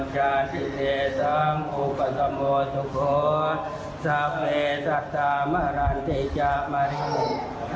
แก๊กเล็กเหรอ